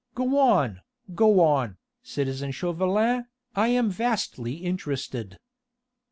Go on, go on, citizen Chauvelin, I am vastly interested!"